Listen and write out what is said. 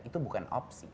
itu bukan opsi